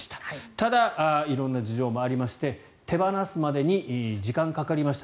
ただ、色んな事情もありまして手放すまでに時間がかかりました。